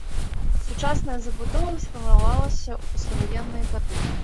Сучасная забудова сфармавалася ў пасляваенныя гады.